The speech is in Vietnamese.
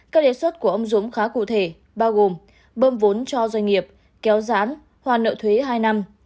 các đề xuất của ông dũng khá cụ thể bao gồm bơm vốn cho doanh nghiệp kéo rán hoàn nợ thuế hai năm